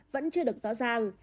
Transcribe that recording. vẫn chưa được rõ ràng